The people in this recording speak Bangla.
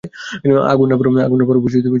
আগুন আর বরফ চিরকাল শত্রু ছিল।